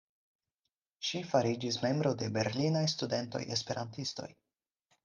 Ŝi fariĝis membro de Berlinaj Studentoj-Esperantistoj.